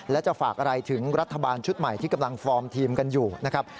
และจะฝากอะไรถึงรัฐบาลชุดใหม่ที่กำลังฟอร์มทีมกันอยู่นะครับ